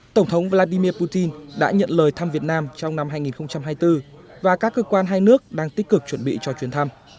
tổng thống vladimir putin đã nhận lời thăm việt nam trong năm hai nghìn hai mươi bốn và các cơ quan hai nước đang tích cực chuẩn bị cho chuyến thăm